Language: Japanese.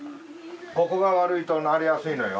ここが悪いとなりやすいのよ。